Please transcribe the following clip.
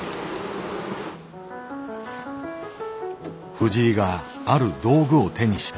藤井がある道具を手にした。